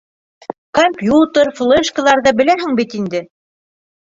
Компьютер, флешкаларҙы беләһең бит инде.